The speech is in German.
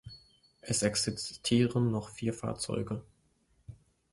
Es existieren noch vier Fahrzeuge.